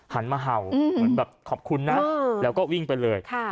เหมือนแบบขอบคุณนะแล้วก็วิ่งไปเลย